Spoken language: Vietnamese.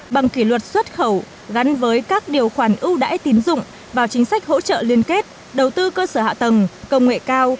bằng kỷ luật xuất khẩu gắn với các điều khoản ưu đãi tín dụng vào chính sách hỗ trợ liên kết đầu tư cơ sở hạ tầng công nghệ cao